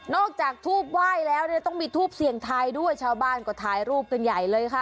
จากทูบไหว้แล้วเนี่ยต้องมีทูปเสี่ยงทายด้วยชาวบ้านก็ถ่ายรูปกันใหญ่เลยค่ะ